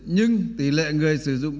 nhưng tỷ lệ người sử dụng